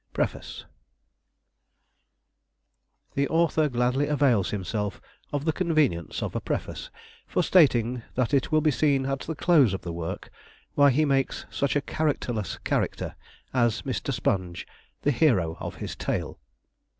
PREFACE The author gladly avails himself of the convenience of a Preface for stating, that it will be seen at the close of the work why he makes such a characterless character as Mr. Sponge the hero of his tale.